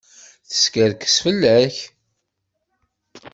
Teskerkes fell-ak.